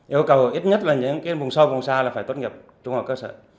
yêu cầu ít nhất là những vùng sâu vùng xa là phải tốt nghiệp trung học cơ sở